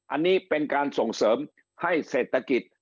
อันนี้เป็นการส่งเสริมให้เศรษฐกิจ